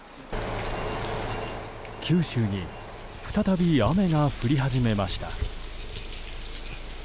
九州に再び雨が降り始めました。